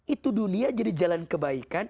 itu dunia jadi jalan kebaikan